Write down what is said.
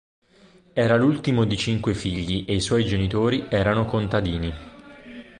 Era l'ultimo di cinque figli e i suoi genitori erano contadini.